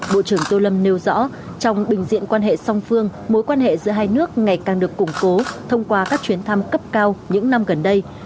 bộ trưởng tô lâm nêu rõ trong bình diện quan hệ song phương mối quan hệ giữa hai nước ngày càng được củng cố thông qua các chuyến thăm cấp cao những năm gần đây